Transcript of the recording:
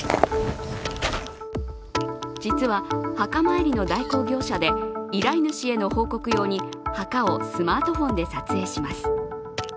実は墓参りの代行業者で依頼主への報告用に墓をスマートフォンで撮影します。